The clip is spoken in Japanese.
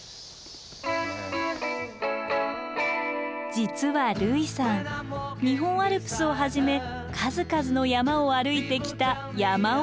実は類さん日本アルプスをはじめ数々の山を歩いてきた山男。